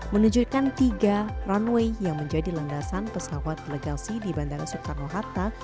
menunjukkan tiga runway yang menjadi landasan pesawat delegasi di bandara soekarno hatta